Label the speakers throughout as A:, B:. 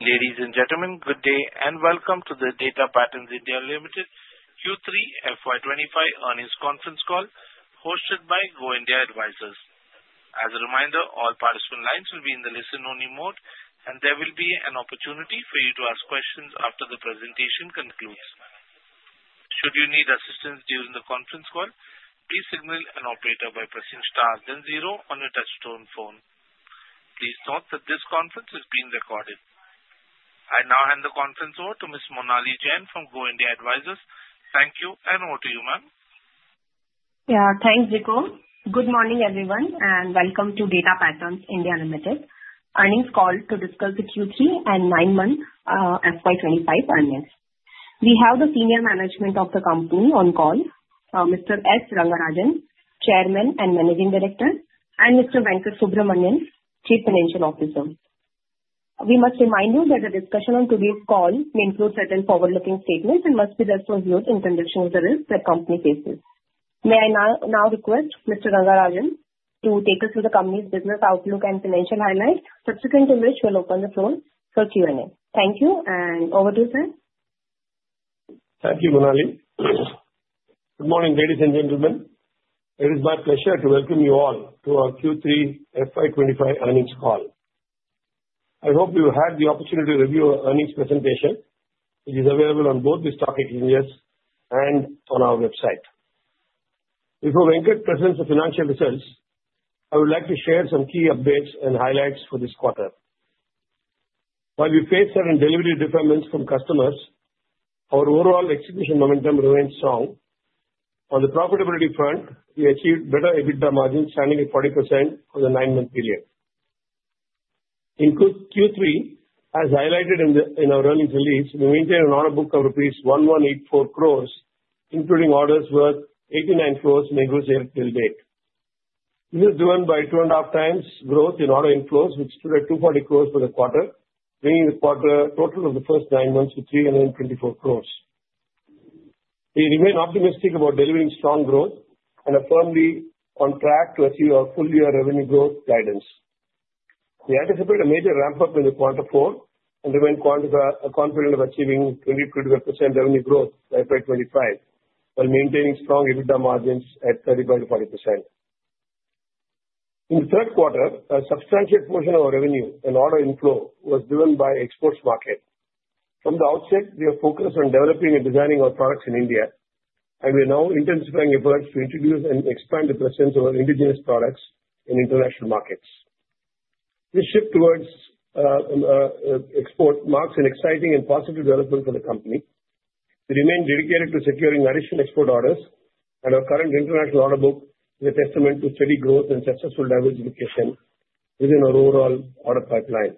A: Ladies and gentlemen, good day and welcome to the Data Patterns (India) Limited Q3 FY25 Earnings Conference Call hosted by Go India Advisors. As a reminder, all participant lines will be in the listen-only mode, and there will be an opportunity for you to ask questions after the presentation concludes. Should you need assistance during the conference call, please signal an operator by pressing star then zero on your touch-tone phone. Please note that this conference is being recorded. I now hand the conference over to Ms. Monali Jain from Go India Advisors. Thank you and over to you, ma'am.
B: Yeah, thanks, Vico. Good morning, everyone, and welcome to Data Patterns (India) Limited Earnings Call to discuss the Q3 and nine-month FY25 earnings. We have the senior management of the company on call, Mr. S. Rangarajan, Chairman and Managing Director, and Mr. Venkata Subramanian, Chief Financial Officer. We must remind you that the discussion on today's call may include certain forward-looking statements and must be best noted in conjunction with the risks that the company faces. May I now request Mr. Rangarajan to take us through the company's business outlook and financial highlights, subsequent to which we'll open the floor for Q&A? Thank you, and over to you, sir.
C: Thank you, Monali. Good morning, ladies and gentlemen. It is my pleasure to welcome you all to our Q3 FY25 Earnings Call. I hope you had the opportunity to review our earnings presentation, which is available on both the stock exchanges and on our website. Before Venkata presents the financial results, I would like to share some key updates and highlights for this quarter. While we faced certain delivery deferments from customers, our overall execution momentum remained strong. On the profitability front, we achieved better EBITDA margins, standing at 40% for the nine-month period. In Q3, as highlighted in our earnings release, we maintained an order book of rupees 1,184 crore, including orders worth 89 crore negotiated till date. This is driven by two and a half times growth in order inquiries, which stood at 240 crore for the quarter, bringing the total of the first nine months to 324 crore. We remain optimistic about delivering strong growth and are firmly on track to achieve our full-year revenue growth guidance. We anticipate a major ramp-up in the Q4 and remain confident of achieving 20% to 25% revenue growth by 2025, while maintaining strong EBITDA margins at 35% to 40%. In the Q3, a substantial portion of our revenue and order inflow was driven by the exports market. From the outset, we have focused on developing and designing our products in India, and we are now intensifying efforts to introduce and expand the presence of our indigenous products in international markets. This shift towards export marks an exciting and positive development for the company. We remain dedicated to securing additional export orders, and our current international order book is a testament to steady growth and successful diversification within our overall order pipeline.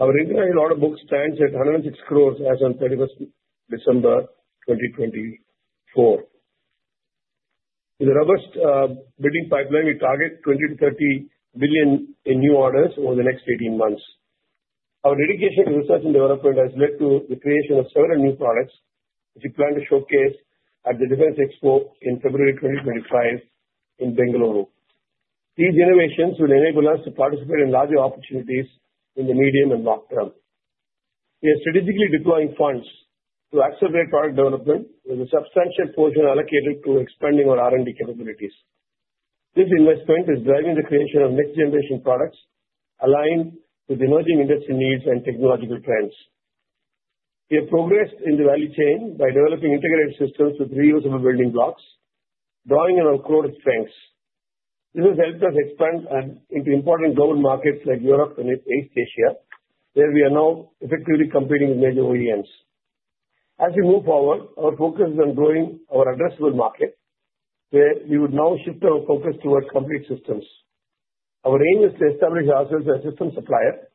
C: Our international order book stands at 106 crore as of 31 December 2024. With a robust bidding pipeline, we target 20 to 30 billion in new orders over the next 18 months. Our dedication to research and development has led to the creation of several new products, which we plan to showcase at the Defense Expo in February 2025 in Bengaluru. These innovations will enable us to participate in larger opportunities in the medium and long term. We are strategically deploying funds to accelerate product development, with a substantial portion allocated to expanding our R&D capabilities. This investment is driving the creation of next-generation products aligned with emerging industry needs and technological trends. We have progressed in the value chain by developing integrated systems with reusable building blocks, drawing on our core strengths. This has helped us expand into important global markets like Europe and East Asia, where we are now effectively competing with major OEMs. As we move forward, our focus is on growing our addressable market, where we would now shift our focus towards complete systems. Our aim is to establish ourselves as a systems supplier,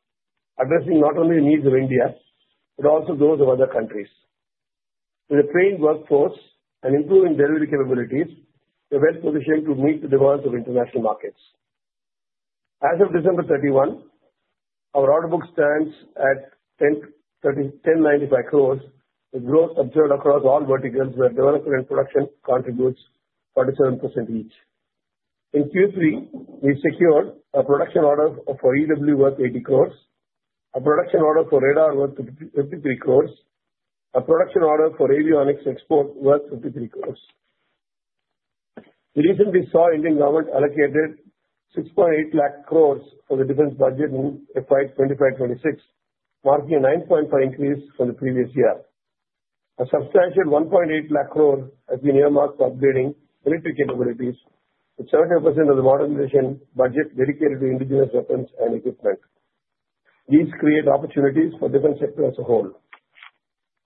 C: addressing not only the needs of India but also those of other countries. With a trained workforce and improving delivery capabilities, we are well positioned to meet the demands of international markets. As of 31 December 2025, our order book stands at 1,095 crore, with growth observed across all verticals, where development and production contribute 47% each. In Q3, we secured a production order for EW worth 80 crore, a production order for radar worth 53 crore, and a production order for avionics export worth 53 crore. We recently saw the Indian government allocate 6.8 lakh crore for the defense budget in FY25-26, marking a 9.5% increase from the previous year. A substantial 1.8 lakh crore has been earmarked for upgrading military capabilities, with 75% of the modernization budget dedicated to indigenous weapons and equipment. These create opportunities for the defense sector as a whole.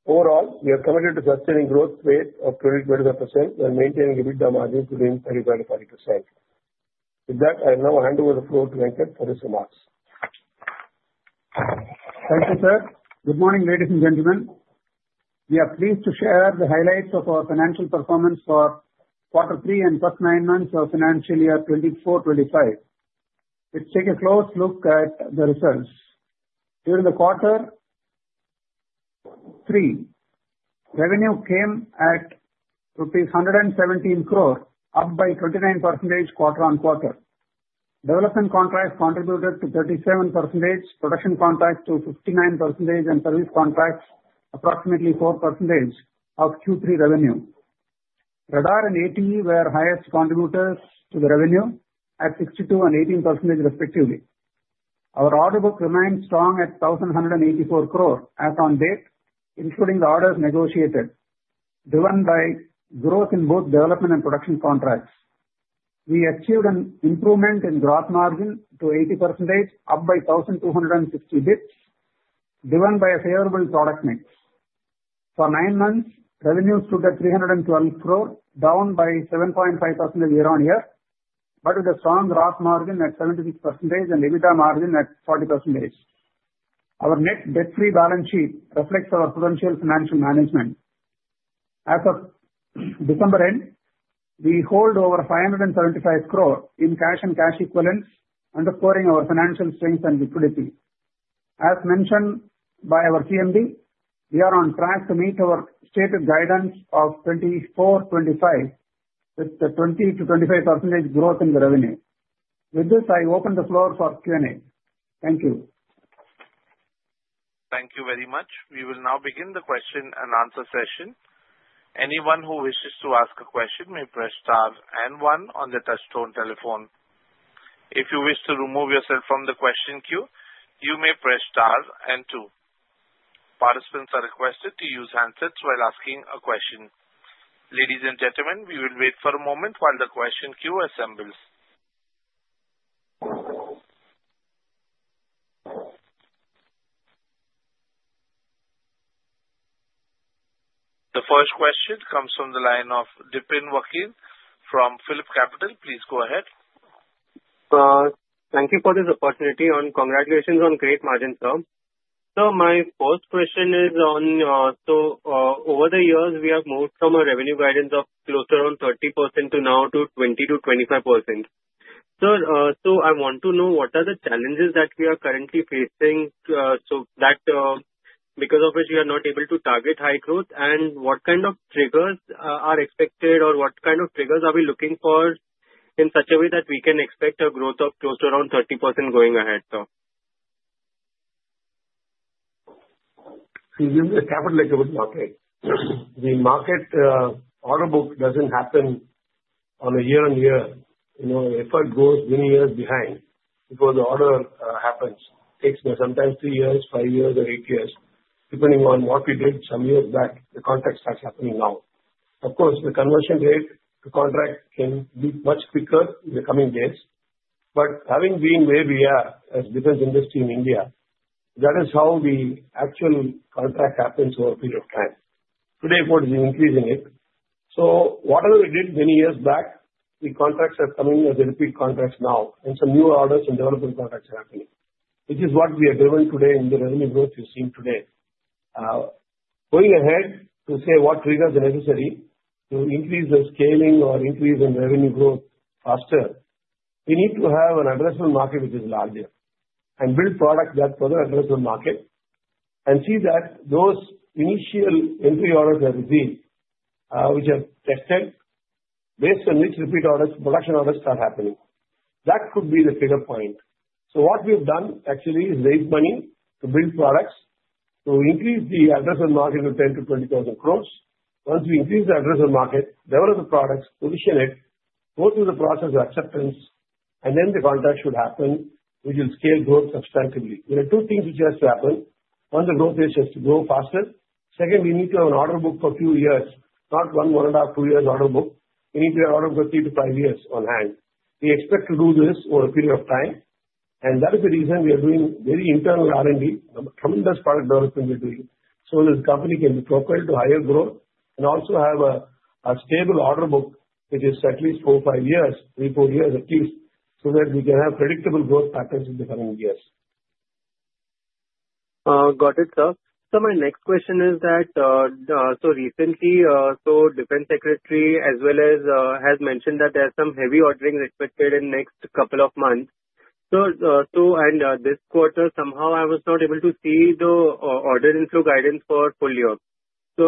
C: Overall, we are committed to sustaining a growth rate of 20% to 25% while maintaining EBITDA margins between 35% to 40%. With that, I will now hand over the floor to Venkata for his remarks. Thank you, sir. Good morning, ladies and gentlemen.
D: We are pleased to share the highlights of our financial performance for Q3 and the first nine months of Financial Year 2024 to 2025. Let's take a close look at the results. During the Q3, revenue came at rupees 117 crore, up by 29% quarter on quarter. Development contracts contributed to 37%, production contracts to 59%, and service contracts approximately 4% of Q3 revenue. Radar and ATE were the highest contributors to the revenue at 62% and 18%, respectively. Our order book remained strong at 1,184 crore as of date, including the orders negotiated, driven by growth in both development and production contracts. We achieved an improvement in gross margin to 80%, up by 1,260 basis points, driven by a favorable product mix. For nine months, revenue stood at 312 crore, down by 7.5% year on year, but with a strong gross margin at 76% and EBITDA margin at 40%. Our net debt-free balance sheet reflects our potential financial management. As of December end, we hold over 575 crore in cash and cash equivalents, underscoring our financial strength and liquidity. As mentioned by our CMD, we are on track to meet our stated guidance of 24 to 25 with a 20%-25% growth in the revenue. With this, I open the floor for Q&A. Thank you.
A: Thank you very much. We will now begin the question and answer session. Anyone who wishes to ask a question may press star and one on the touch-tone telephone. If you wish to remove yourself from the question queue, you may press star and two. Participants are requested to use handsets while asking a question. Ladies and gentlemen, we will wait for a moment while the question queue assembles. The first question comes from the line of Dipen Vakil from PhillipCapital. Please go ahead.
E: Thank you for this opportunity. Congratulations on great margins, sir. Sir, my first question is, over the years, we have moved from a revenue guidance of closer to 30% to now to 20% to 25%. Sir, I want to know what are the challenges that we are currently facing because of which we are not able to target high growth, and what kind of triggers are expected, or what kind of triggers are we looking for in such a way that we can expect a growth of closer to around 30% going ahead, sir?
C: You gave me a table like a good market. The market order book doesn't happen on a year-on-year. If a growth is many years behind, before the order happens, it takes sometimes three years, five years, or eight years, depending on what we did some years back. The contract starts happening now. Of course, the conversion rate to contract can be much quicker in the coming days, but having been where we are as a defense industry in India, that is how the actual contract happens over a period of time. Today, of course, we are increasing it, so whatever we did many years back, the contracts are coming as repeat contracts now, and some new orders and development contracts are happening, which is what we are driven today in the revenue growth we've seen today. Going ahead to say what triggers are necessary to increase the scaling or increase in revenue growth faster, we need to have an addressable market which is larger and build products that further address the market and see that those initial entry orders that we've been, which are tested, based on which repeat orders, production orders start happening. That could be the trigger point. So what we've done actually is raise money to build products to increase the addressable market to 10 to 20,000 crore. Once we increase the addressable market, develop the products, position it, go through the process of acceptance, and then the contract should happen, which will scale growth substantively. There are two things which have to happen. One, the growth rate has to grow faster. Second, we need to have an order book for a few years, not one and a half, two years order book. We need to have an order book for three to five years on hand. We expect to do this over a period of time, and that is the reason we are doing very internal R&D, tremendous product development we're doing, so that the company can be propelled to higher growth and also have a stable order book which is at least four or five years, three, four years at least, so that we can have predictable growth patterns in the coming years.
E: Got it, sir. So my next question is that, so recently, so Defense Secretary as well has mentioned that there are some heavy ordering expected in the next couple of months. And this quarter, somehow I was not able to see the order inflow guidance for full year. So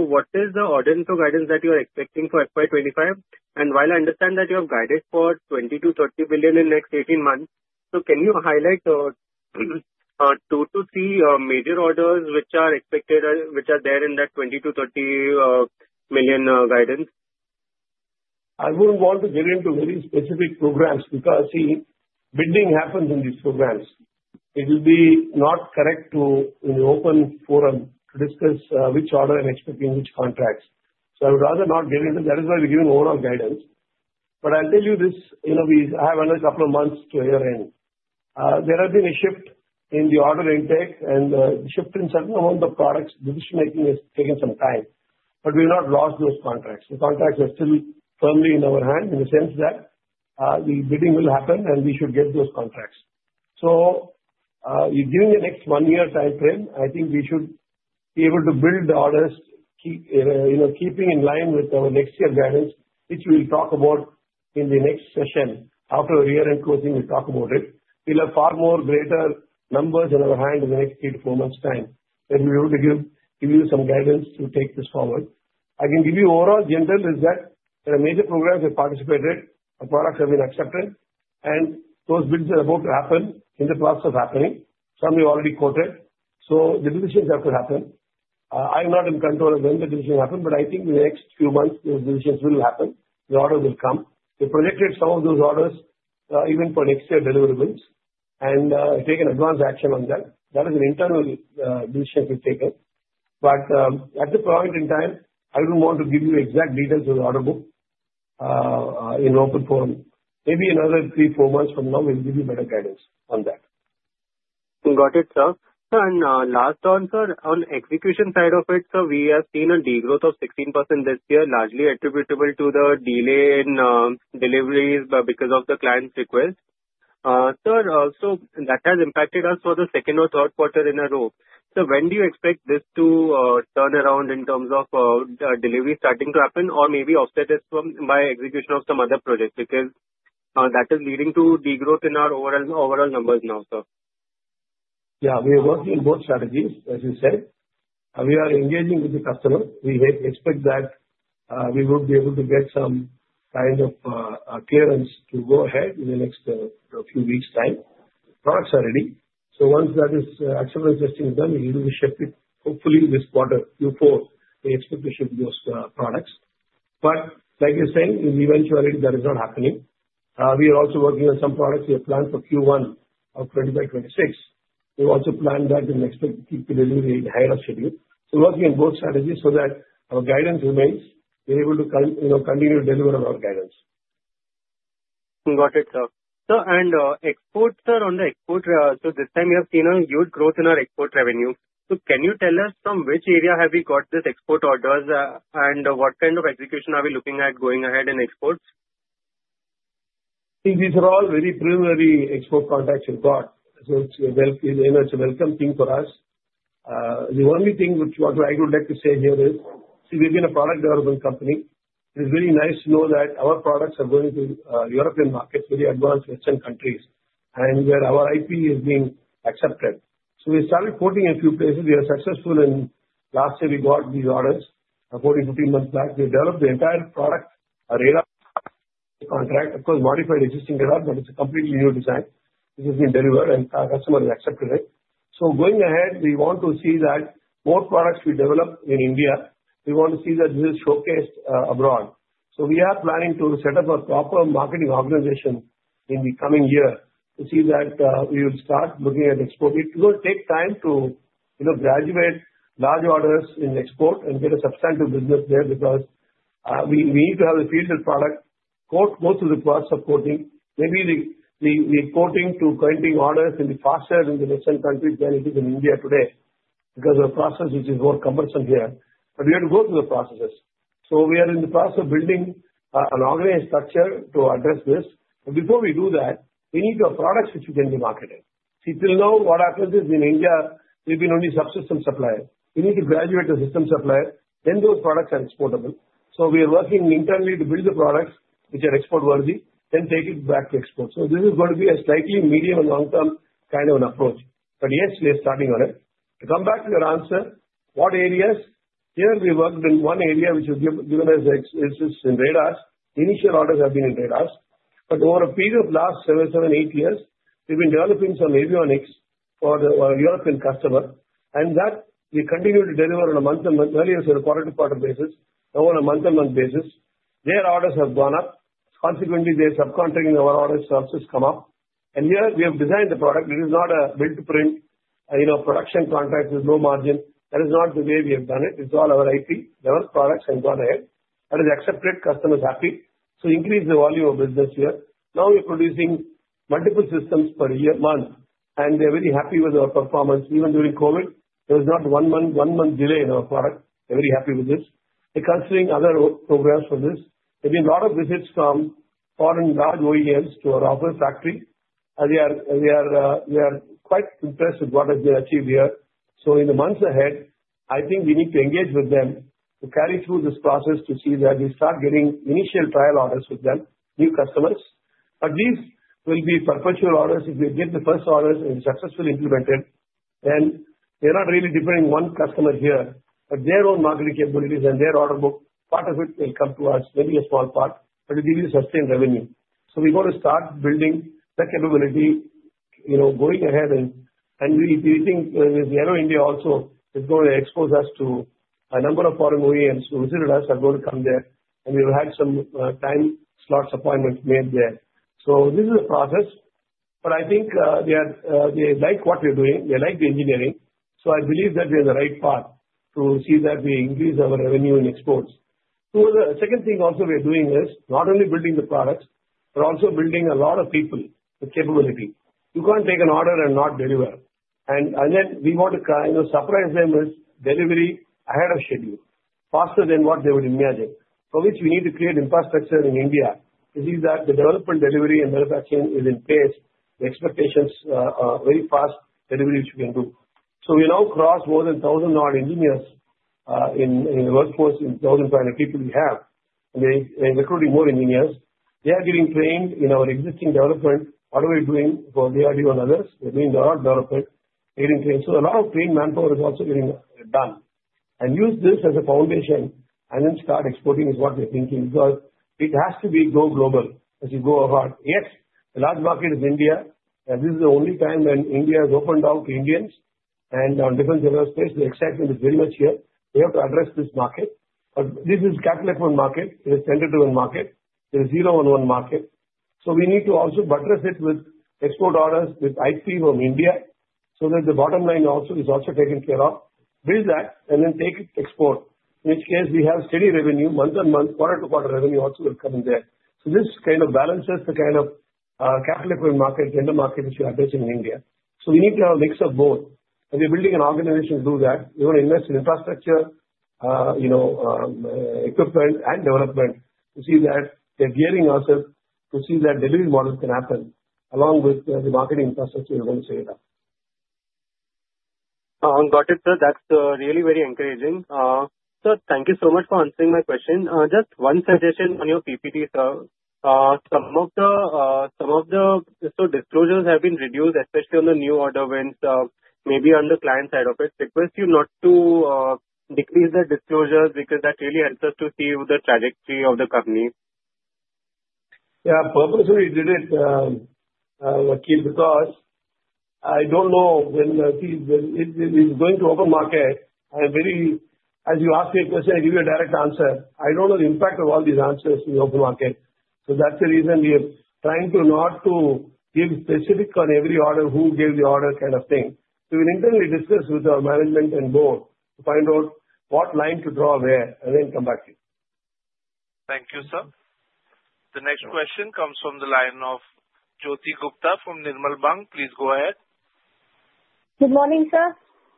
E: what is the order inflow guidance that you are expecting for FY25? And while I understand that you have guidance for 20 to 30 billion in the next 18 months, so can you highlight two to three major orders which are expected, which are there in that 20-30 million guidance?
C: I wouldn't want to get into very specific programs because, see, bidding happens in these programs. It will be not correct to open forum to discuss which order I'm expecting in which contracts. So I would rather not get into that. That is why we're giving overall guidance. But I'll tell you this, we have another couple of months to year-end. There has been a shift in the order intake, and the shift in certain amounts of products, decision-making has taken some time. But we have not lost those contracts. The contracts are still firmly in our hands in the sense that the bidding will happen, and we should get those contracts. So given the next one-year time frame, I think we should be able to build the orders, keeping in line with our next year guidance, which we will talk about in the next session. After a year-end closing, we'll talk about it. We'll have far more greater numbers in our hand in the next three to four months' time. Then we will be able to give you some guidance to take this forward. I can give you overall general is that there are major programs that have participated, and products have been accepted, and those bids are about to happen, in the process of happening. Some we've already quoted. So the decisions have to happen. I'm not in control of when the decisions happen, but I think in the next few months, those decisions will happen. The orders will come. We've predicted some of those orders even for next year deliverables and taken advanced action on that. That is an internal decision we've taken. But at the point in time, I wouldn't want to give you exact details of the order book in an open forum. Maybe another three, four months from now, we'll give you better guidance on that.
E: Got it, sir. And last on, sir, on the execution side of it, sir, we have seen a degrowth of 16% this year, largely attributable to the delay in deliveries because of the client's request. Sir, so that has impacted us for the Q2 or Q3 in a row. So when do you expect this to turn around in terms of delivery starting to happen, or maybe offset this by execution of some other projects because that is leading to degrowth in our overall numbers now, sir?
C: Yeah, we are working on both strategies, as you said. We are engaging with the customer. We expect that we will be able to get some kind of clearance to go ahead in the next few weeks' time. Products are ready. So once that actual testing is done, we will ship it, hopefully, this quarter, Q4. We expect to ship those products. But like you're saying, in the eventuality, that is not happening. We are also working on some products we have planned for Q1 of 2026. We also plan that we expect to keep the delivery in the higher-up schedule. So working on both strategies so that our guidance remains, we're able to continue to deliver our guidance.
E: Got it, sir. Sir, and exports, sir, on the export, so this time we have seen a huge growth in our export revenue. So can you tell us from which area have we got these export orders, and what kind of execution are we looking at going ahead in exports?
C: See, these are all very preliminary export contracts we've got. So it's a welcome thing for us. The only thing which I would like to say here is, see, we've been a product development company. It is very nice to know that our products are going to European markets, very advanced Western countries, and where our IP has been accepted. So we started quoting a few places. We were successful in last year. We got these orders 14, 15 months back. We developed the entire product, a radar contract, of course, modified existing radar, but it's a completely new design. This has been delivered, and our customer has accepted it. So going ahead, we want to see that more products we develop in India, we want to see that this is showcased abroad. So we are planning to set up a proper marketing organization in the coming year to see that we will start looking at exporting. It will take time to graduate large orders in export and get a substantive business there because we need to have a fielded product, go through the process of quoting. Maybe the quoting to printing orders will be faster in the Western countries than it is in India today because of the process, which is more cumbersome here. But we have to go through the processes. So we are in the process of building an organized structure to address this. But before we do that, we need to have products which we can be marketed. See, till now, what happens is in India, we've been only subsystem suppliers. We need to graduate the system supplier. Then those products are exportable. So we are working internally to build the products which are export-worthy, then take it back to export. So this is going to be a slightly medium and long-term kind of an approach. But yes, we are starting on it. To come back to your answer, what areas? Here we worked in one area which was given as an exercise in radars. Initial orders have been in radars. But over a period of the last seven, eight years, we've been developing some avionics for a European customer. And that we continue to deliver on a month-to-month, not only on a quarter-to-quarter basis, but on a month-to-month basis. Their orders have gone up. Consequently, their subcontracting order sources come up. And here we have designed the product. It is not a build-to-print production contract with no margin. That is not the way we have done it. It's all our IP, developed products, and gone ahead. That is accepted. Customer is happy, so increase the volume of business here. Now we're producing multiple systems per year, month, and they're very happy with our performance. Even during COVID, there was not one month delay in our product. They're very happy with this. They're considering other programs for this. There have been a lot of visits from foreign large OEMs to our office factory. They are quite impressed with what we have achieved here, so in the months ahead, I think we need to engage with them to carry through this process to see that we start getting initial trial orders with them, new customers, but these will be perpetual orders. If we get the first orders and successfully implemented, then we're not really depending on one customer here, but their own marketing capabilities and their order book, part of it will come to us, maybe a small part, but it will be a sustained revenue. So we're going to start building that capability going ahead, and we think with Aero India also is going to expose us to a number of foreign OEMs who visited us and want to come there, and we've had some time slots appointments made there. So this is a process, but I think they like what we're doing. They like the engineering. So I believe that we're in the right path to see that we increase our revenue in exports. The second thing also we're doing is not only building the products, but also building a lot of people with capability. You can't take an order and not deliver. And then we want to kind of surprise them with delivery ahead of schedule, faster than what they would imagine. For which we need to create infrastructure in India to see that the development, delivery, and manufacturing is in pace, the expectations are very fast delivery which we can do. So we now cross more than 1,000-odd engineers in the workforce, in 1,500 people we have. And they're recruiting more engineers. They are getting trained in our existing development, what we're doing for DRDO and others. They're doing their own development. They're getting trained. So a lot of trained manpower is also getting done. And use this as a foundation and then start exporting is what we're thinking because it has to go global as you go abroad. Yes, the large market is India. This is the only time when India has opened up to Indians. And on defense and aerospace, the excitement is very much here. We have to address this market. But this is a capital intensive market. It is a government-driven market. It is a zero-to-one market. So we need to also buttress it with export orders, with IP from India, so that the bottom line also is taken care of. Build that and then take it to export, in which case we have steady revenue, month-on-month, quarter-to-quarter revenue also will come in there. So this kind of balances the kind of capital intensive market, government market which we are addressing in India. So we need to have a mix of both. And we're building an organization to do that. We're going to invest in infrastructure, equipment, and development to see that they're gearing us up to see that delivery model can happen along with the marketing infrastructure we're going to set it up.
E: Got it, sir. That's really very encouraging. Sir, thank you so much for answering my question. Just one suggestion on your PPT, sir. Some of the disclosures have been reduced, especially on the new order wins, maybe on the client side of it. Request you not to decrease the disclosures because that really helps us to see the trajectory of the company.
C: Yeah, purposefully we did it, Vakil, because I don't know when it is going to open market. As you asked me a question, I'll give you a direct answer. I don't know the impact of all these answers in the open market. So that's the reason we are trying to not give specifics on every order, who gave the order kind of thing. So we'll internally discuss with our management and board to find out what line to draw where and then come back to you.
A: Thank you, sir. The next question comes from the line of Jyoti Gupta from Nirmal Bang. Please go ahead.
F: Good morning, sir.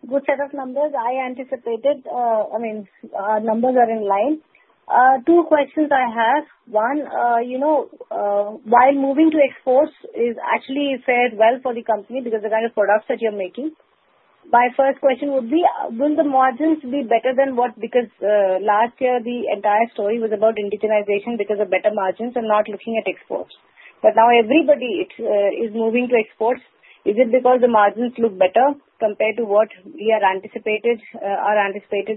F: Good set of numbers. I anticipated, I mean, our numbers are in line. Two questions I have. One, while moving to exports is actually fared well for the company because of the kind of products that you're making. My first question would be, will the margins be better than what? Because last year, the entire story was about indigenization because of better margins and not looking at exports. But now everybody is moving to exports. Is it because the margins look better compared to what we are anticipated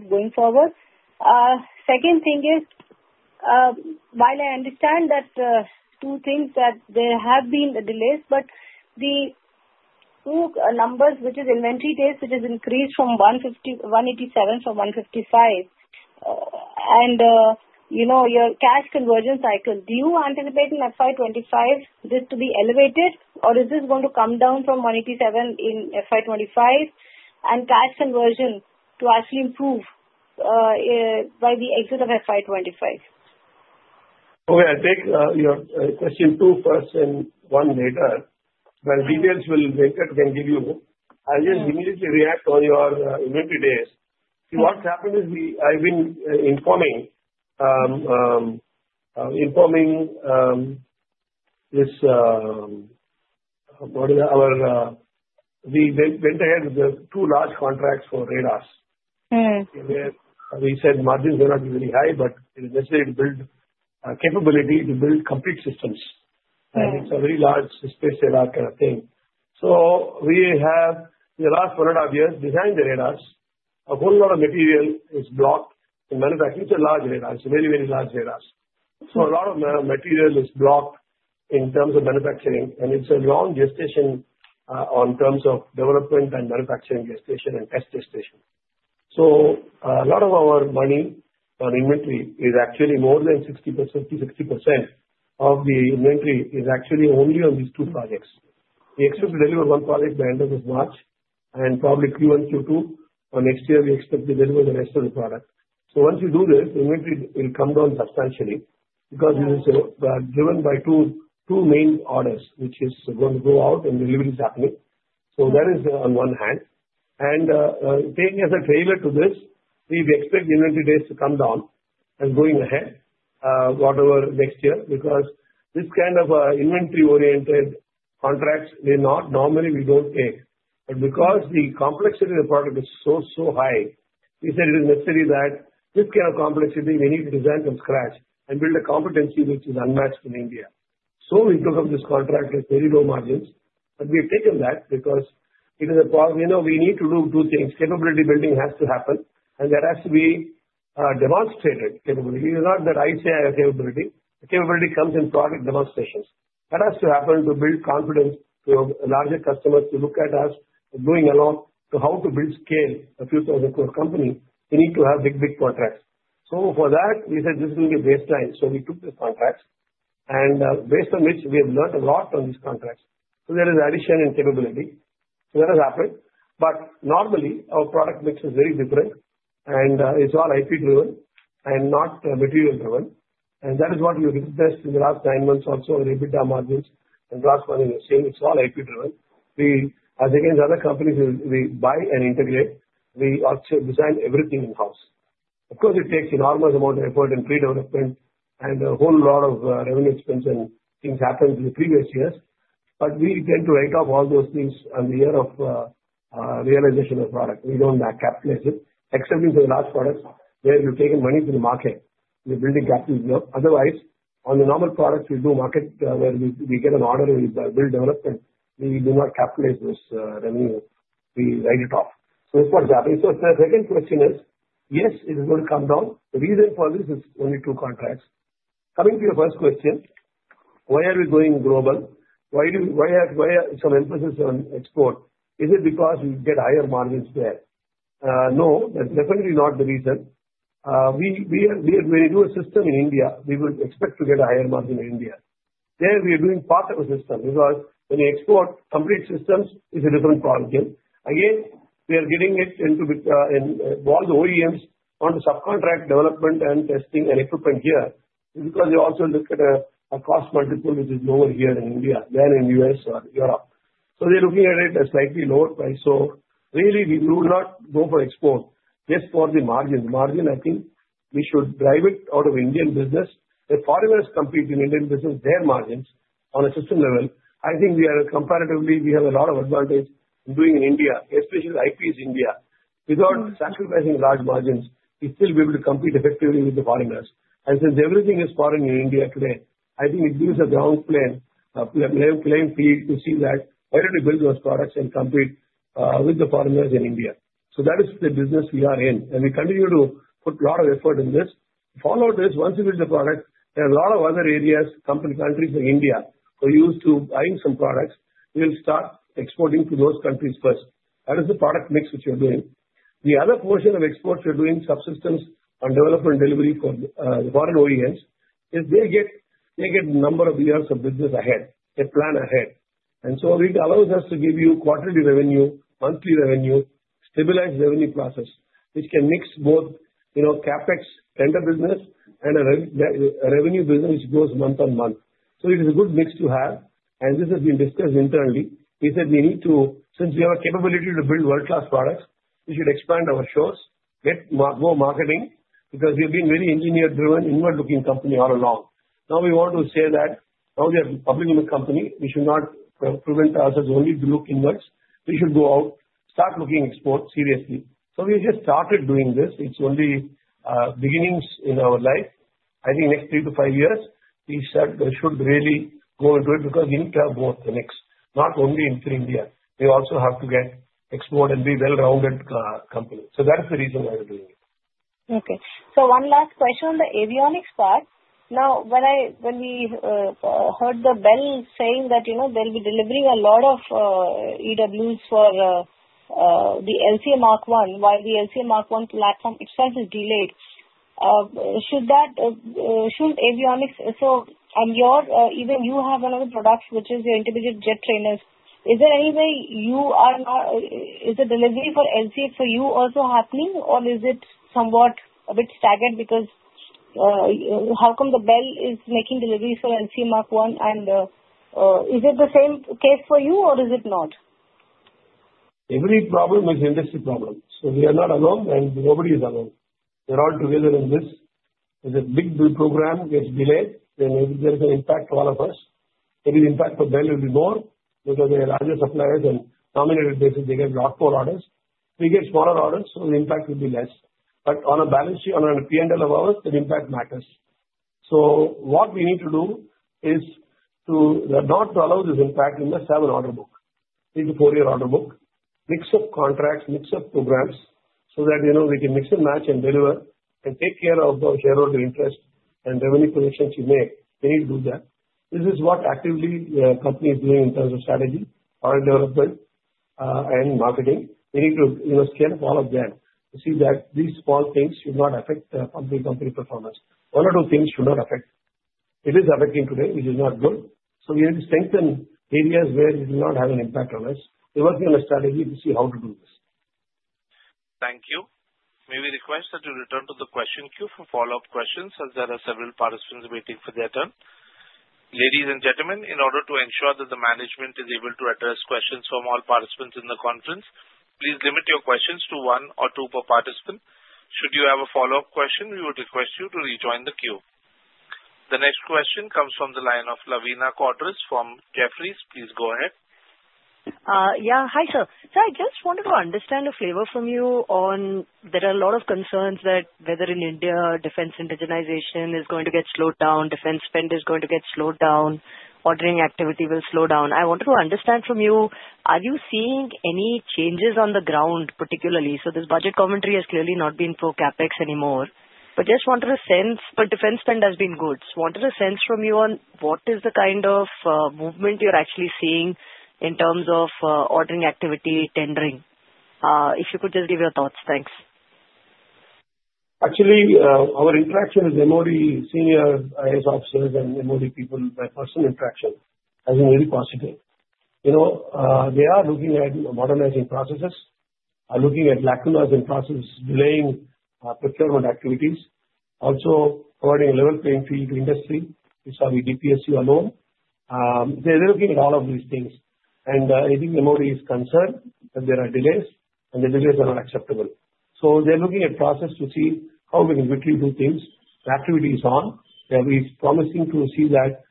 F: going forward? Second thing is, while I understand that two things that there have been delays, but the two numbers, which is inventory days, which has increased from 187 from 155. Your cash conversion cycle, do you anticipate in FY25 this to be elevated, or is this going to come down from 187 in FY25 and cash conversion to actually improve by the exit of FY25?
C: Okay, I'll take your question two first and one later, well, details will make it, I can give you. I'll just immediately react on your inventory days. What's happened is I've been informing this, what is it? We went ahead with two large contracts for radars. We said margins may not be very high, but it is necessary to build capability to build complete systems, and it's a very large space radar kind of thing. So we have, in the last one and a half years, designed the radars. A whole lot of material is blocked in manufacturing. It's a large radar. It's a very, very large radar. So a lot of material is blocked in terms of manufacturing, and it's a long gestation in terms of development and manufacturing gestation and test gestation. So, a lot of our money on inventory is actually more than 60% of the inventory, which is actually only on these two projects. We expect to deliver one project by end of this March and probably Q1, Q2 next year. We expect to deliver the rest of the product. So once we do this, the inventory will come down substantially because it is driven by two main orders, which is going to go out and delivery is happening. So that is on one hand. And taking as a trailer to this, we expect the inventory days to come down and going ahead whatever next year because this kind of inventory-oriented contracts may not normally we don't take. But because the complexity of the product is so, so high, we said it is necessary that this kind of complexity, we need to design from scratch and build a competency which is unmatched in India. So we took up this contract with very low margins. But we have taken that because it is a problem. We need to do two things. Capability building has to happen. And that has to be demonstrated capability. It is not that I say I have capability. The capability comes in product demonstrations. That has to happen to build confidence to larger customers to look at us going along to how to build scale a few thousand crore company. We need to have big, big contracts. So for that, we said this is going to be a baseline. So we took the contracts. And based on which, we have learned a lot on these contracts. So there is addition and capability. So that has happened. But normally, our product mix is very different. And it's all IP-driven and not material-driven. And that is what we've invested in the last nine months also in EBITDA margins. And the last one is the same. It's all IP-driven. As against other companies, we buy and integrate. We design everything in-house. Of course, it takes an enormous amount of effort and pre-development and a whole lot of R&D expense and things happened in the previous years. But we tend to write off all those things on the year of realization of product. We don't capitalize it, except for the large products where we've taken money from the market. We're building CapEx. Otherwise, on the normal products, we do R&D where we get an order and we build development. We do not capitalize this revenue. We write it off. So it's what's happening. So the second question is, yes, it is going to come down. The reason for this is only two contracts. Coming to your first question, why are we going global? Why some emphasis on export? Is it because we get higher margins there? No, that's definitely not the reason. When you do a system in India, we would expect to get a higher margin in India. There we are doing part of a system because when you export complete systems, it's a different problem. Again, we are getting it into all the OEMs on the subcontract development and testing and equipment here because they also look at a cost multiple which is lower here in India than in the U.S. or Europe. So they're looking at it at a slightly lower price. So really, we will not go for export just for the margin. The margin, I think we should drive it out of Indian business. If foreigners compete in Indian business, their margins on a system level, I think, comparatively, we have a lot of advantage in doing in India, especially IP in India. Without sacrificing large margins, we still be able to compete effectively with the foreigners. And since everything is foreign in India today, I think it gives a level playing field to see that. Why don't you build those products and compete with the foreigners in India. So that is the business we are in. And we continue to put a lot of effort in this. Follow this. Once you build the product, there are a lot of other areas, company, countries like India who are used to buying some products. We'll start exporting to those countries first. That is the product mix which we're doing. The other portion of exports we're doing, subsystems on development and delivery for the foreign OEMs, is they get a number of years of business ahead. They plan ahead. And so it allows us to give you quarterly revenue, monthly revenue, stabilized revenue process, which can mix both CapEx, tender business, and a revenue business which goes month on month. So it is a good mix to have. And this has been discussed internally. We said we need to, since we have a capability to build world-class products, we should expand our shores, get more marketing because we have been very engineer-driven, inward-looking company all along. Now we want to say that now we are a public company. We should not prevent ourselves only to look inwards. We should go out, start looking export seriously. So we just started doing this. It's only beginnings in our life. I think next three to five years, we should really go into it because we need to have both the mix, not only in India. We also have to get export and be a well-rounded company. So that's the reason why we're doing it.
F: Okay, so one last question on the avionics part. Now, when we heard the BEL saying that they'll be delivering a lot of EWs for the LCA Mark-1, while the LCA Mark-1 platform itself is delayed, should avionics and you even have one of the products which is your intermediate jet trainers. Is the delivery for LCA for you also happening, or is it somewhat a bit staggered because how come the BEL is making deliveries for LCA Mark-1? And is it the same case for you, or is it not?
C: Every problem is industry problem. So we are not alone, and nobody is alone. We're all together in this. If a big program gets delayed, then there is an impact to all of us. If the impact for BEL will be more because they are larger suppliers and nominated basis, they get a lot more orders. We get smaller orders, so the impact will be less. But on a balance sheet, on a P&L of ours, the impact matters. So what we need to do is to not allow this impact. We must have an order book. We need a four-year order book, mix of contracts, mix of programs so that we can mix and match and deliver and take care of our shareholder interest and revenue positions we make. We need to do that. This is what actively the company is doing in terms of strategy, product development, and marketing. We need to scale up all of them to see that these small things should not affect the company performance. One or two things should not affect. It is affecting today, which is not good. So we need to strengthen areas where it will not have an impact on us. We're working on a strategy to see how to do this.
A: Thank you. May we request that you return to the question queue for follow-up questions as there are several participants waiting for their turn? Ladies and gentlemen, in order to ensure that the management is able to address questions from all participants in the conference, please limit your questions to one or two per participant. Should you have a follow-up question, we would request you to rejoin the queue. The next question comes from the line of Lavina Quadros from Jefferies. Please go ahead.
G: Yeah, hi, sir. So I just wanted to understand a flavor from you on there are a lot of concerns that whether in India, defense indigenization is going to get slowed down, defense spend is going to get slowed down, ordering activity will slow down. I wanted to understand from you, are you seeing any changes on the ground, particularly? So this budget commentary has clearly not been for CapEx anymore. But just wanted a sense, but defense spend has been good. Wanted a sense from you on what is the kind of movement you're actually seeing in terms of ordering activity, tendering. If you could just give your thoughts, thanks.
C: Actually, our interaction with MOD senior IAS officers and MOD people by personal interaction has been very positive. They are looking at modernizing processes, are looking at lacking processes, delaying procurement activities, also providing a level playing field to industry, which are the DPSU alone. They're looking at all of these things, and I think MOD is concerned that there are delays, and the delays are not acceptable, so they're looking at processes to see how we can quickly do things. The activity is on. We're promising to see that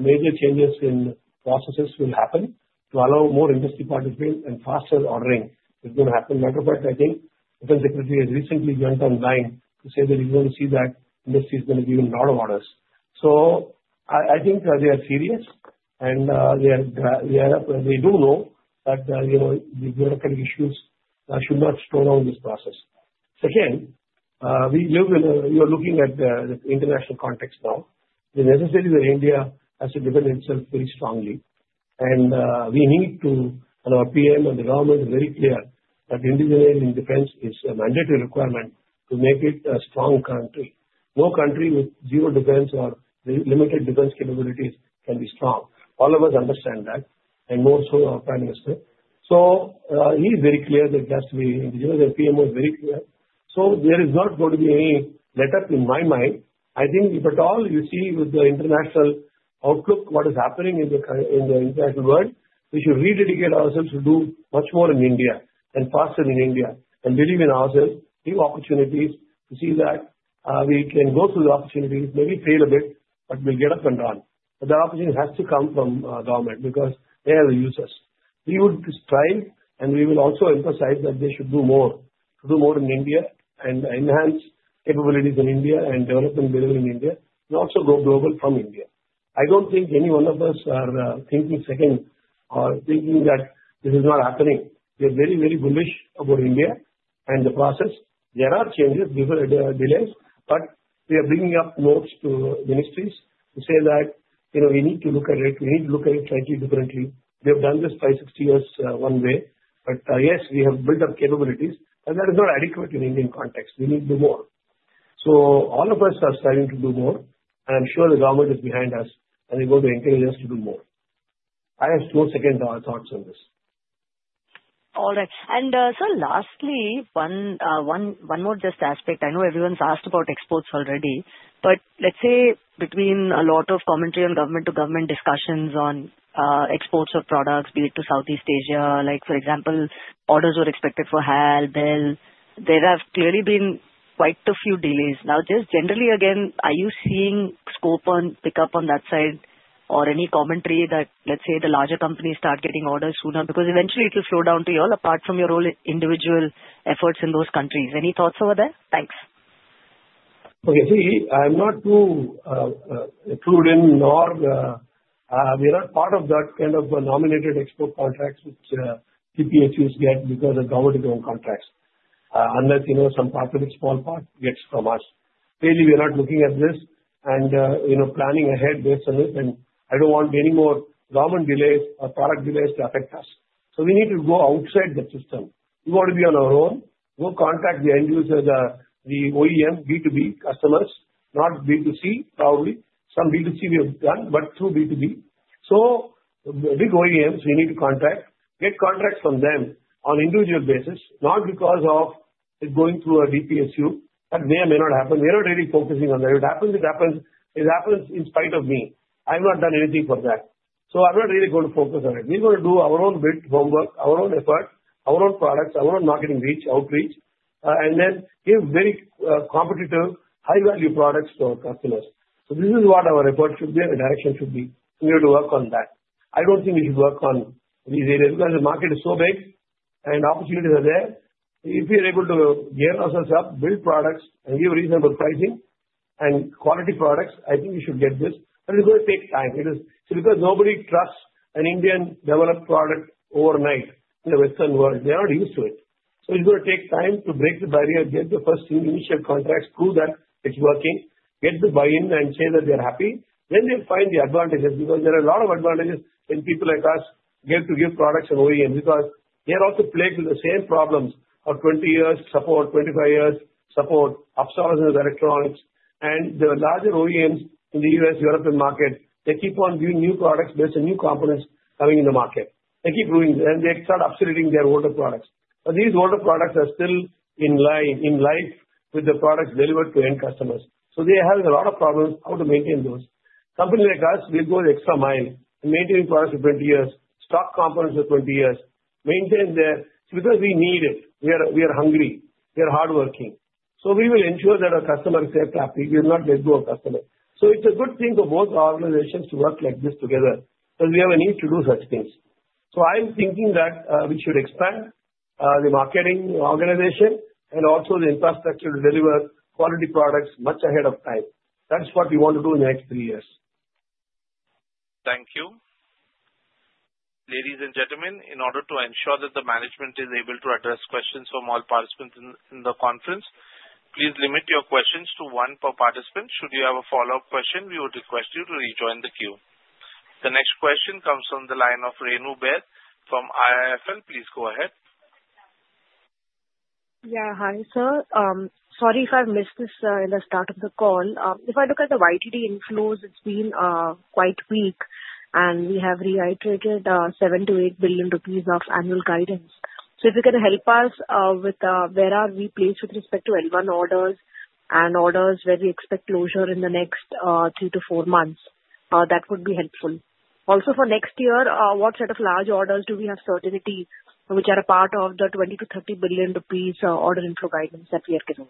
C: major changes in processes will happen to allow more industry participants and faster ordering. It's going to happen. Matter of fact, I think Defense Secretary has recently joined online to say that he's going to see that industry is going to give a lot of orders. So I think they are serious, and they do know that the bureaucratic issues should not slow down this process. Second, we are looking at the international context now. The necessity that India has to defend itself very strongly, and we need to, and our PM and the government are very clear that indigeneity in defense is a mandatory requirement to make it a strong country. No country with zero defense or limited defense capabilities can be strong. All of us understand that, and more so our Prime Minister, so he's very clear that it has to be indigeneity, and the PM was very clear, so there is not going to be any let up in my mind. I think if at all you see with the international outlook what is happening in the international world, we should rededicate ourselves to do much more in India and faster in India and believe in ourselves, give opportunities to see that we can go through the opportunities, maybe fail a bit, but we'll get up and run. But the opportunity has to come from government because they are the users. We would strive, and we will also emphasize that they should do more, to do more in India and enhance capabilities in India and develop and deliver in India and also go global from India. I don't think any one of us are thinking second or thinking that this is not happening. We are very, very bullish about India and the process. There are changes, delays, but we are bringing up notes to ministries to say that we need to look at it. We need to look at it slightly differently. We have done this five, six years one way. But yes, we have built up capabilities, but that is not adequate in Indian context. We need to do more. So all of us are starting to do more, and I'm sure the government is behind us, and we're going to encourage us to do more. I have no second thoughts on this.
G: All right. So lastly, one more aspect. I know everyone's asked about exports already, but let's say between a lot of commentary on government-to-government discussions on exports of products, be it to Southeast Asia, like for example, orders were expected for HAL, BEL. There have clearly been quite a few delays. Now, just generally, again, are you seeing scope for pickup on that side or any commentary that, let's say, the larger companies start getting orders sooner? Because eventually, it will trickle down to you, apart from your own individual efforts in those countries. Any thoughts over there? Thanks.
C: Okay. See, I'm not too prudent nor we are not part of that kind of nominated export contracts which DPSUs get because the government is on contracts unless some part of it, small part, gets from us. Clearly, we are not looking at this and planning ahead based on it. And I don't want any more government delays or product delays to affect us. So we need to go outside the system. We want to be on our own. We'll contact the end users, the OEM, B2B customers, not B2C, probably. Some B2C we have done, but through B2B. So the big OEMs we need to contact, get contracts from them on an individual basis, not because of it going through a DPSU. That may or may not happen. We are not really focusing on that. If it happens, it happens. It happens in spite of me. I've not done anything for that. So I'm not really going to focus on it. We're going to do our own homework, our own effort, our own products, our own marketing reach, outreach, and then give very competitive, high-value products to our customers. So this is what our effort should be and the direction should be. We need to work on that. I don't think we should work on these areas because the market is so big and opportunities are there. If we are able to gear ourselves up, build products, and give reasonable pricing and quality products, I think we should get this. But it's going to take time. It's because nobody trusts an Indian developed product overnight in the Western world. They're not used to it. So it's going to take time to break the barrier, get the first initial contracts, prove that it's working, get the buy-in and say that they're happy. Then they'll find the advantages because there are a lot of advantages when people like us get to give products and OEMs because they are also plagued with the same problems of 20 years support, 25 years support, outsources of electronics. And the larger OEMs in the U.S., European market, they keep on giving new products based on new components coming in the market. They keep doing this, and they start obsoleting their older products. But these older products are still in line in life with the products delivered to end customers. So they have a lot of problems how to maintain those. Companies like us will go the extra mile in maintaining products for 20 years, stock components for 20 years, maintain them because we need it. We are hungry. We are hardworking. So we will ensure that our customer is happy. We will not let go of customers. So it's a good thing for both organizations to work like this together because we have a need to do such things. So I'm thinking that we should expand the marketing organization and also the infrastructure to deliver quality products much ahead of time. That's what we want to do in the next three years.
A: Thank you. Ladies and gentlemen, in order to ensure that the management is able to address questions from all participants in the conference, please limit your questions to one per participant. Should you have a follow-up question, we would request you to rejoin the queue. The next question comes from the line of Renu Baid from IIFL. Please go ahead.
H: Yeah, hi, sir. Sorry if I missed this in the start of the call. If I look at the YTD inflows, it's been quite weak, and we have reiterated 7 to 8 billion of annual guidance. So if you can help us with where are we placed with respect to L1 orders and orders where we expect closure in the next three to four months, that would be helpful. Also for next year, what set of large orders do we have certainty which are a part of the 20 to 30 billion order inflow guidance that we are giving?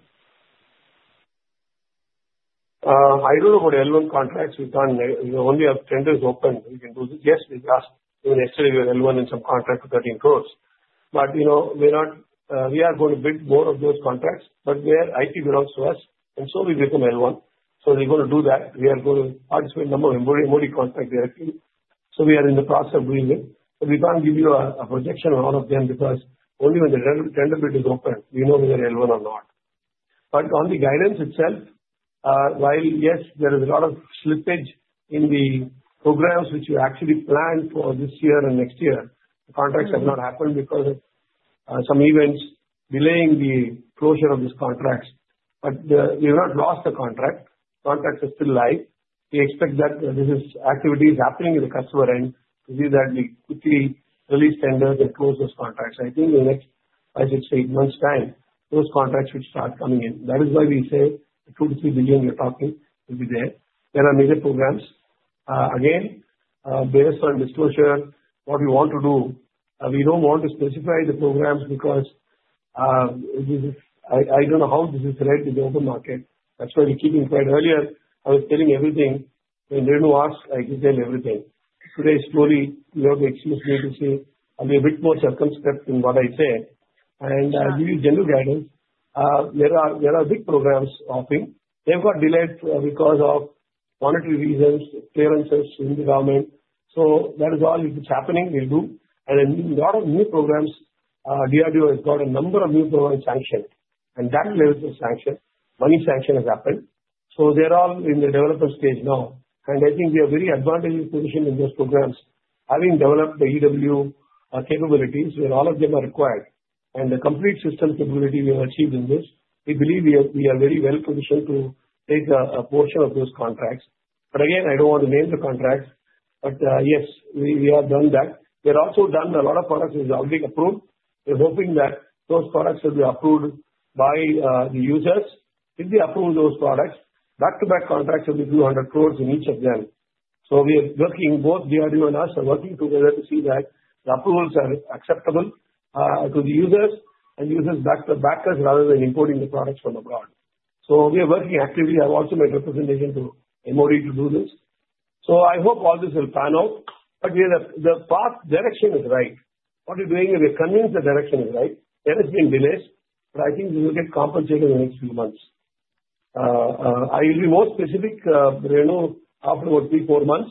C: I don't know what L1 contracts we've done. We only have tenders open. We can do this. Yes, we've asked to do an excellent L1 in some contracts with 13 crore, but we are going to build more of those contracts, but it belongs to us, and so we become L1, so we're going to do that. We are going to participate in a number of MoD contracts directly, so we are in the process of doing it, but we can't give you a projection on all of them because only when the tender bid is open, we know whether L1 or not, but on the guidance itself, while yes, there is a lot of slippage in the programs which we actually planned for this year and next year, the contracts have not happened because of some events delaying the closure of these contracts. But we have not lost the contract. Contracts are still live. We expect that this activity is happening at the customer end to see that we quickly release tenders and close those contracts. I think in the next five, six, eight months' time, those contracts should start coming in. That is why we say the 2 to 3 billion we're talking will be there. There are major programs. Again, based on disclosure, what we want to do, we don't want to specify the programs because I don't know how this is related to the open market. That's why we keep inquire. Earlier, I was telling everything. When Renu asked, I explained everything. Today, slowly, you have to excuse me to say I'll be a bit more circumscribed in what I say. And I'll give you general guidance. There are big programs hopping. They've got delayed because of monetary reasons, clearances in the government. So that is all. If it's happening, we'll do. And a lot of new programs, DRDO has got a number of new programs sanctioned, and that level of sanction, money sanction has happened. So they're all in the developer stage now. And I think we are very advantageous positioned in those programs, having developed the EW capabilities where all of them are required. And the complete system capability we have achieved in this, we believe we are very well positioned to take a portion of those contracts. But again, I don't want to name the contracts, but yes, we have done that. We have also done a lot of products which are being approved. We're hoping that those products will be approved by the users. If they approve those products, back-to-back contracts will be 200 crore in each of them. So we are working both DRDO and us are working together to see that the approvals are acceptable to the users and users back-to-backers rather than importing the products from abroad. So we are working actively. I've also made representation to MoD to do this. So I hope all this will pan out. But the path direction is right. What we're doing is we're convinced the direction is right. There have been delays, but I think this will get compensated in the next few months. I will be more specific, Renu, after about three, four months.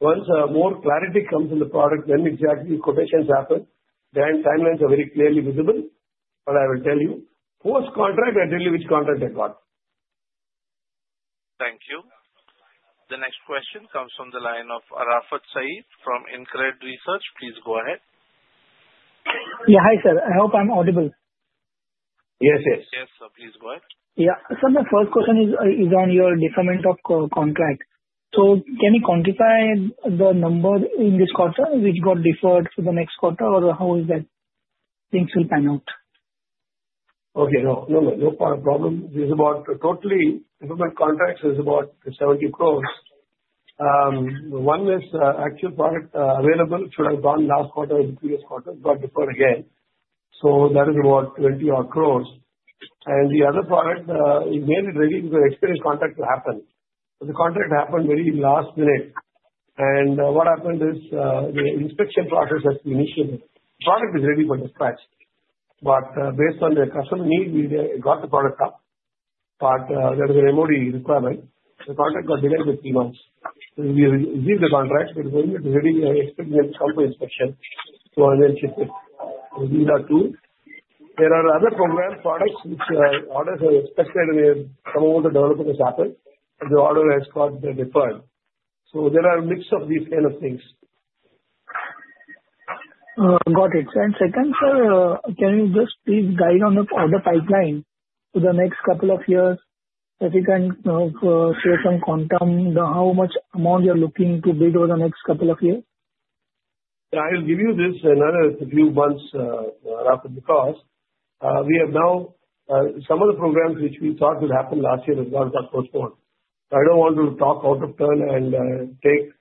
C: Once more clarity comes in the product, then exactly quotations happen, then timelines are very clearly visible. But I will tell you, post-contract, I'll tell you which contract I got.
A: Thank you. The next question comes from the line of Arafat Saiyed from InCred Research. Please go ahead.
I: Yeah, hi, sir. I hope I'm audible.
C: Yes, yes.
A: Yes, sir. Please go ahead.
I: Yeah. So my first question is on your deferment of contract. So can you quantify the number in this quarter which got deferred for the next quarter, or how is that things will pan out?
C: Okay. No, no, no. No problem. This is about total deferment contracts is about 70 crore. One is actual product available should have gone last quarter or the previous quarter, got deferred again. So that is about 20 crore. And the other product, we made it ready because the export contract will happen. But the contract happened very last minute. And what happened is the inspection process has been initiated. The product is ready for dispatch. But based on the customer need, we got the product up. But there was an MoD requirement. The contract got delayed by three months. We received the contract, but when it was ready, I expected it to come for inspection. So I then shipped it. These are two. There are other program products which orders were expected some of the deliveries happened, but the order has got deferred. So there are a mix of these kind of things.
I: Got it. And second, sir, can you just please guide on the order pipeline for the next couple of years? If you can say some quantum, how much amount you're looking to bid over the next couple of years?
C: I'll give you this in another few months, Arafat, because we have now some of the programs which we thought would happen last year have got postponed. I don't want to talk out of turn and take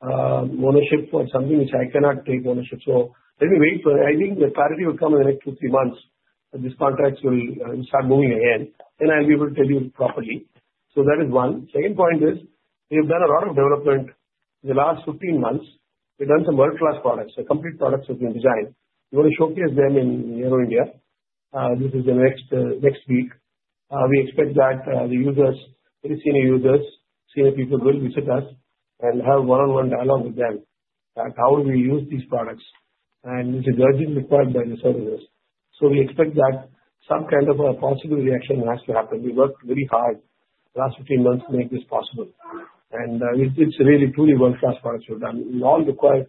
C: ownership for something which I cannot take ownership. So let me wait for it. I think the clarity will come in the next two, three months that these contracts will start moving again. Then I'll be able to tell you properly. So that is one. Second point is we have done a lot of development in the last 15 months. We've done some world-class products. The complete products have been designed. We want to showcase them in India. This is the next week. We expect that the users, the senior users, senior people will visit us and have one-on-one dialogue with them about how we use these products and which is urgently required by the services, so we expect that some kind of a positive reaction has to happen. We worked very hard the last 15 months to make this possible, and it's really truly world-class products we've done. We all require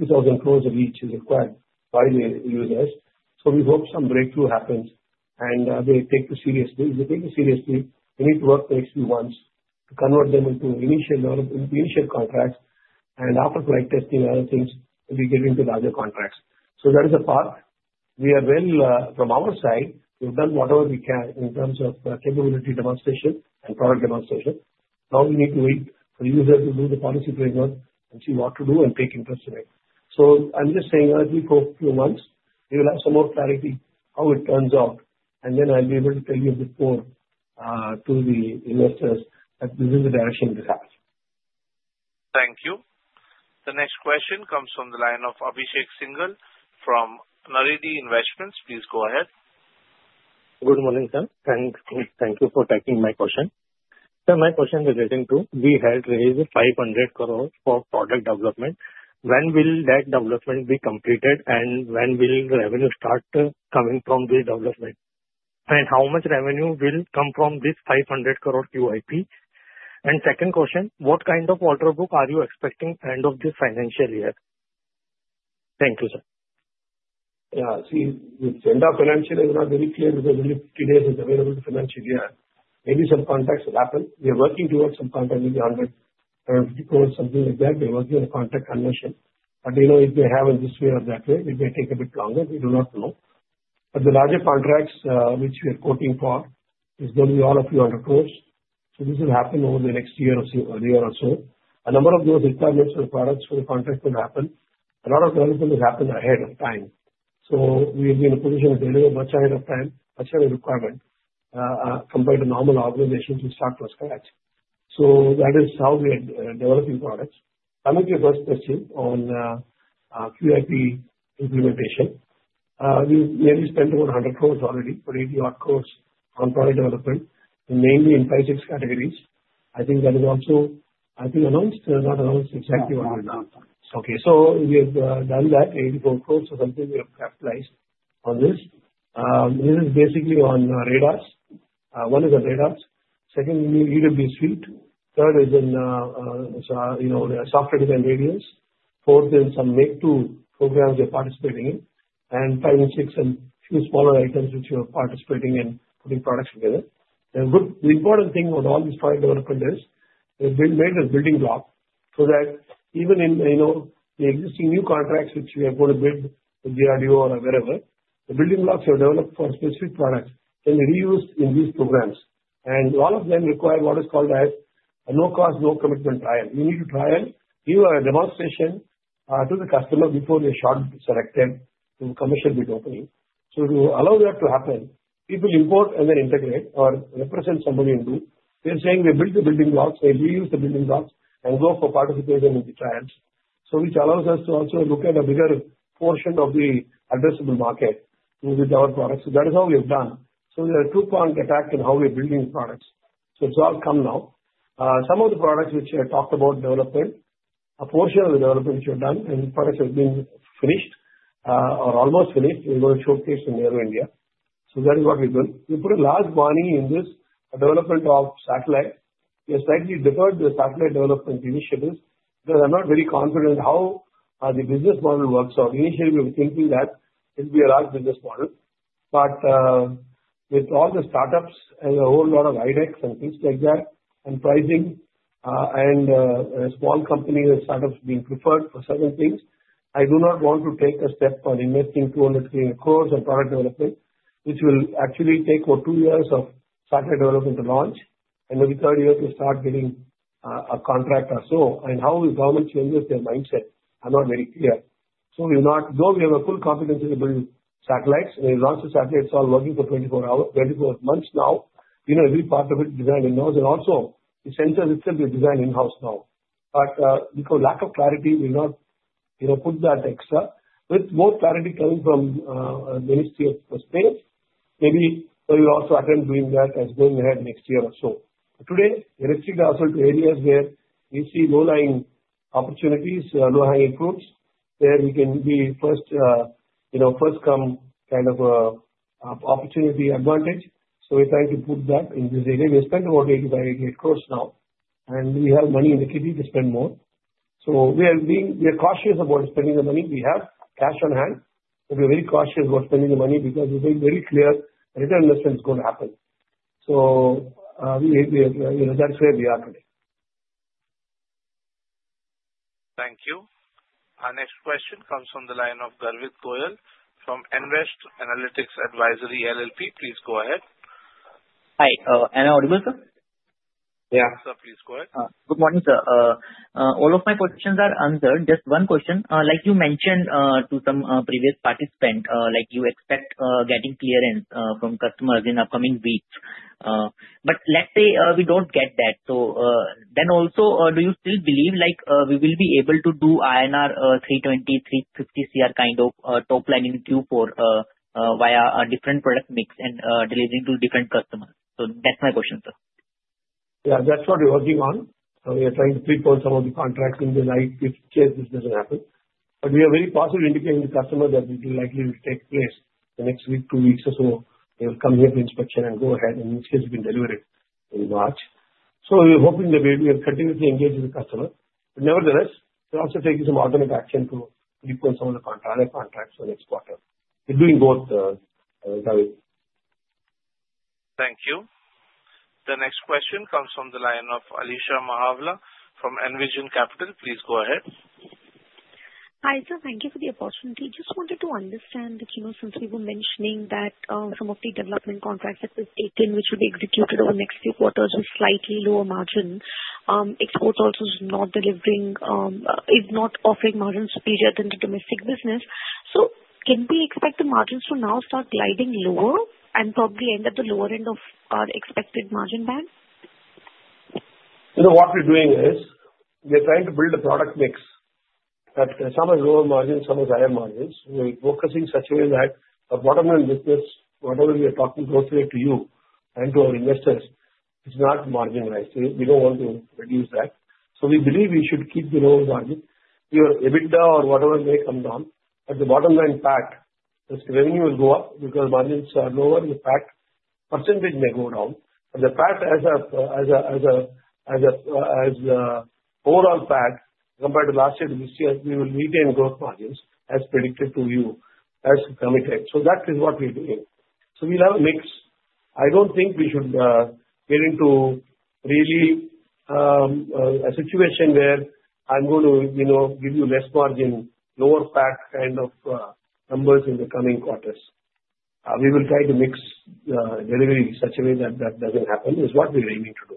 C: 2,000 crore of each is required by the users, so we hope some breakthrough happens and they take this seriously. If they take this seriously, we need to work the next few months to convert them into initial contracts, and after flight testing and other things, we'll be getting into larger contracts, so that is a part. We are well, from our side, we've done whatever we can in terms of capability demonstration and product demonstration. Now we need to wait for the user to do the policy framework and see what to do and take interest in it, so I'm just saying that we hope in a few months, we will have some more clarity how it turns out, and then I'll be able to tell you before to the investors that this is the direction it has.
A: Thank you. The next question comes from the line of Abhishek Singhal from Naredi Investments. Please go ahead.
J: Good morning, sir. Thank you for taking my question. Sir, my question is relating to we had raised 500 crore for product development. When will that development be completed, and when will revenue start coming from this development, and how much revenue will come from this 500 crore QIP? And second question, what kind of order book are you expecting end of this financial year? Thank you, sir.
C: Yeah. See, the agenda financial is not very clear because only 50 days is available to financial year. Maybe some contracts will happen. We are working towards some contracts, maybe INR 100 crore, something like that. We are working on a contract conversion. But if they have it this way or that way, it may take a bit longer. We do not know. But the larger contracts which we are quoting for is going to be all of INR 200 crore. So this will happen over the next year or so or a year or so. A number of those requirements for the products for the contract will happen. A lot of development will happen ahead of time. So we'll be in a position to deliver much ahead of time, much ahead of requirement compared to normal organizations who start from scratch. So that is how we are developing products. Coming to your first question on QIP implementation, we've nearly spent about 100 crore already for 80 crore on product development, mainly in five, six categories. I think that is also, I think, announced. I'm not sure exactly what we've done. Okay. So we have done that, 84 crore or something. We have capitalized on this. This is basically on radars. One is on radars. Second, we need EW suite. Third is in software defined radios. Fourth is some Make-II programs we are participating in. And five, six, and a few smaller items which we are participating in putting products together. The important thing about all this product development is we've made a building block so that even in the existing new contracts which we are going to bid with DRDO or wherever, the building blocks are developed for specific products and reused in these programs. And all of them require what is called a no-cost, no-commitment trial. You need to trial, give a demonstration to the customer before you short-select them to the commercial bid opening. So to allow that to happen, people import and then integrate or represent somebody and do. We are saying we build the building blocks, we reuse the building blocks, and go for participation in the trials, which allows us to also look at a bigger portion of the addressable market with our products. So that is how we have done. So there are two-pronged attack in how we are building products. So it's all come now. Some of the products which I talked about development, a portion of the development which we have done and products have been finished or almost finished, we're going to showcase in India. So that is what we've done. We put a large money in this development of satellite. We have slightly deferred the satellite development initiatives because I'm not very confident how the business model works. Initially, we were thinking that it would be a large business model, but with all the startups and a whole lot of IDEX and things like that and pricing and small companies and startups being preferred for certain things, I do not want to take a step on investing 200 crore in product development, which will actually take about two years of satellite development to launch and maybe third year to start getting a contract or so. And how will government change their mindset? I'm not very clear, so we have not, though we have a full confidence in the satellites. We launched the satellites. It's all working for 24 months now. We know every part of it designed in-house. Also, the sensors itself we designed in-house now. But because of lack of clarity, we'll not put that extra. With more clarity coming from the Ministry of Space, maybe we will also attempt doing that as going ahead next year or so. Today, we have stripped ourselves to areas where we see low-lying opportunities, low-hanging fruits, where we can be first-come kind of opportunity advantage. So we're trying to put that in this area. We have spent about 85 to 88 crore now. And we have money in the kitty to spend more. So we are cautious about spending the money. We have cash on hand. We're very cautious about spending the money because we've been very clear that it is going to happen. So that's where we are today.
A: Thank you. Our next question comes from the line of Garvit Goyal from Nvest Analytics Advisory LLP. Please go ahead.
K: Hi. Am I audible, sir?
C: Yeah.
A: Sir, please go ahead.
K: Good morning, sir. All of my questions are answered. Just one question. Like you mentioned to some previous participants, you expect getting clearance from customers in upcoming weeks. But let's say we don't get that. So then also, do you still believe we will be able to do INR 320 to 350 crore kind of top line in Q4 via a different product mix and delivering to different customers? So that's my question, sir.
C: Yeah. That's what we're working on. We are trying to prepone some of the contracts in light of this doesn't happen. But we are very positively indicating to customers that it will likely take place in the next week, two weeks or so. They will come here for inspection and go ahead. And in this case, we can deliver it in March. So we're hoping that we will continuously engage with the customer. But nevertheless, we're also taking some alternate action to prepone some of the other contracts for next quarter. We're doing both, Garvit.
A: Thank you. The next question comes from the line of Alisha Mahawla from Envision Capital. Please go ahead.
L: Hi, sir. Thank you for the opportunity. Just wanted to understand that since we were mentioning that some of the development contracts that we've taken, which will be executed over the next few quarters, with slightly lower margins, exports also is not delivering, is not offering margins superior than the domestic business. So can we expect the margins to now start gliding lower and probably end at the lower end of our expected margin band?
C: You know what we're doing is we are trying to build a product mix that some are lower margins, some are higher margins. We're focusing such a way that our bottom-line business, whatever we are talking, goes straight to you and to our investors. It's not margin-wise. We don't want to reduce that. So we believe we should keep the lower margin. Your EBITDA or whatever may come down. But the bottom-line PAT, its revenue will go up because margins are lower. The PAT percentage may go down. But the PAT, as an overall PAT, compared to last year, this year, we will retain growth margins as predicted to you as permitted. So that is what we're doing. So we'll have a mix. I don't think we should get into really a situation where I'm going to give you less margin, lower PAT kind of numbers in the coming quarters. We will try to mix delivery in such a way that that doesn't happen is what we're aiming to do.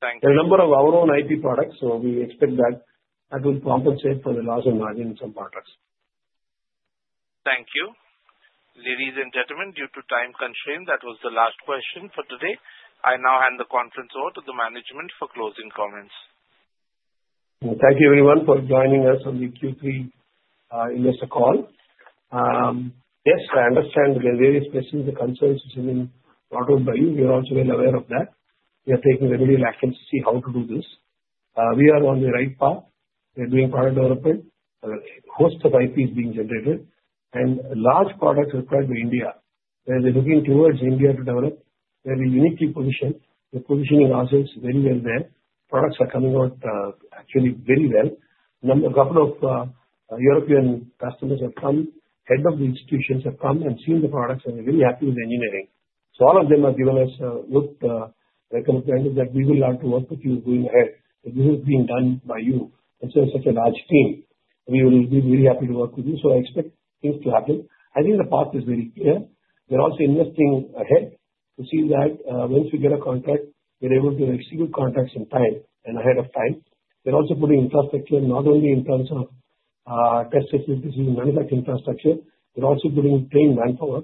A: Thank you.
C: There are a number of our own IP products, so we expect that that will compensate for the loss of margin in some products.
A: Thank you. Ladies and gentlemen, due to time constraint, that was the last question for today. I now hand the conference over to the management for closing comments.
C: Thank you, everyone, for joining us on the Q3 Investor Call. Yes, I understand there are various questions and concerns which have been brought up by you. We are also well aware of that. We are taking the remedial action to see how to do this. We are on the right path. We are doing product development. A host of IP is being generated, and large products required by India. They're looking towards India to develop. We're in a unique position. We're positioning ourselves very well there. Products are coming out actually very well. A couple of European customers have come. Heads of the institutions have come and seen the products and are very happy with the engineering, so all of them have given us a good recommendation that we will have to work with you going ahead. This is being done by you. It's such a large team. We will be very happy to work with you. I expect things to happen. I think the path is very clear. We're also investing ahead to see that once we get a contract, we're able to execute contracts in time and ahead of time. We're also putting infrastructure, not only in terms of test facilities and manufacturing infrastructure. We're also putting trained manpower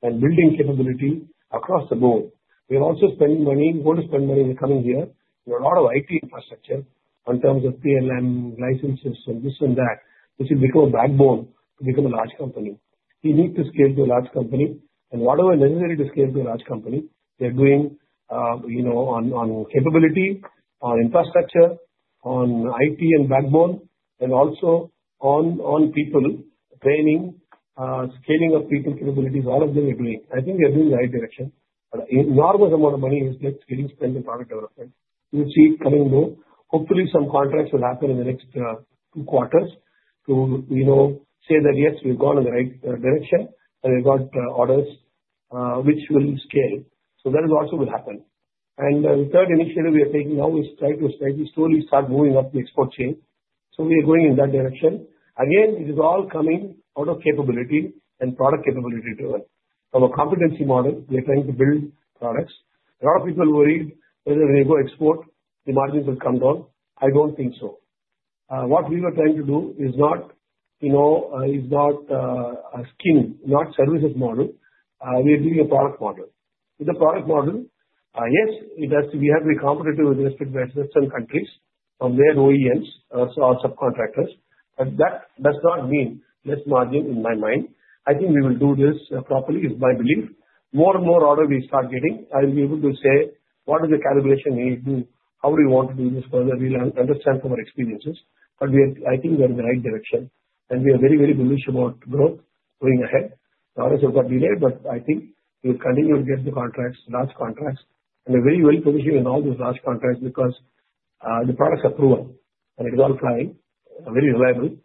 C: and building capability across the board. We're also spending money. We want to spend money in the coming year. There are a lot of IP infrastructure in terms of PLM licenses and this and that, which will become a backbone to become a large company. We need to scale to a large company. And whatever is necessary to scale to a large company, we are doing on capability, on infrastructure, on IP and backbone, and also on people training, scaling of people capabilities. All of them we're doing. I think we are doing the right direction. An enormous amount of money is getting spent in product development. We will see it coming in the book. Hopefully, some contracts will happen in the next two quarters to say that, yes, we've gone in the right direction and we've got orders which will scale. So that also will happen. And the third initiative we are taking now is trying to slowly start moving up the export chain. So we are going in that direction. Again, it is all coming out of capability and product capability driven. From a competency model, we are trying to build products. A lot of people worried whether when you go export, the margins will come down. I don't think so. What we were trying to do is not akin to services model. We are doing a product model. With the product model, yes, we have to be competitive with respect to certain countries from their OEMs or subcontractors. But that does not mean less margin in my mind. I think we will do this properly. It's my belief. More and more orders we start getting, I'll be able to say what is the calibration we need to do, how do we want to do this further. We'll understand from our experiences. But I think we are in the right direction. And we are very, very bullish about growth going ahead. The orders have got delayed, but I think we will continue to get the contracts, large contracts. And we're very well positioned in all those large contracts because the products are proven and it is all flying, very reliable,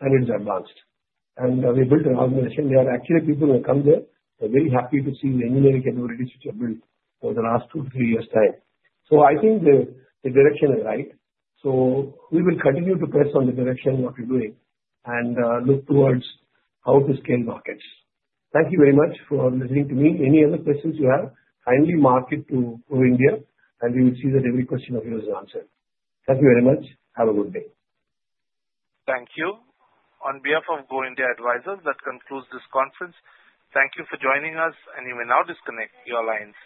C: and it is advanced. And we built an organization where actually people will come there. They're very happy to see the engineering capabilities which are built over the last two to three years' time. So I think the direction is right. So we will continue to press on the direction of what we're doing and look towards how to scale markets. Thank you very much for listening to me. Any other questions you have? Kindly mark it to Go India, and we will see that every question of yours is answered. Thank you very much. Have a good day.
A: Thank you. On behalf of Go India Advisors, that concludes this conference. Thank you for joining us, and you may now disconnect your line.